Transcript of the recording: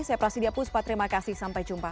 saya prasidya puspa terima kasih sampai jumpa